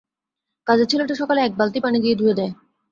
কাজের ছেলেটা সকালে এক বালতি পানি দিয়ে ধুয়ে দেয়।